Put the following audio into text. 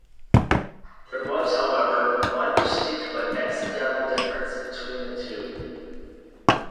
There was however, one distinct-but accidental-difference between the two.